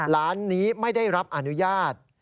ร้านนี้ไม่ได้รับอนุญาต